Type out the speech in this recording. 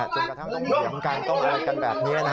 ถึงกระทั่งมูลของการต้องไอ้กันแบบนี้นะฮะ